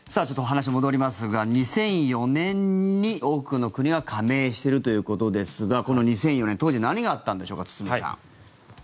ちょっとお話、戻りますが２００４年に多くの国が加盟しているということですがこの２００４年、当時何があったんでしょう、堤さん。